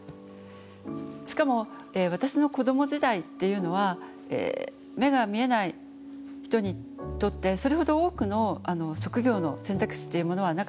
しかも私の子ども時代っていうのは目が見えない人にとってそれほど多くの職業の選択肢っていうものはなかったんですね。